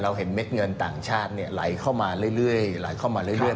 เห็นเม็ดเงินต่างชาติไหลเข้ามาเรื่อยไหลเข้ามาเรื่อย